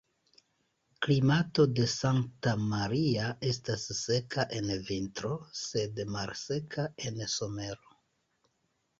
Klimato de Santa Maria estas seka en vintro, sed malseka en somero.